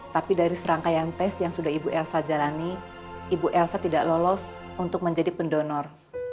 tapi dari serangkaian tes yang sudah ibu elsa jalani ibu elsa tidak lolos untuk menjadi pendonor